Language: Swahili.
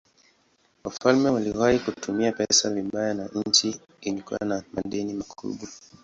Wafalme waliwahi kutumia pesa vibaya na nchi ilikuwa na madeni makubwa.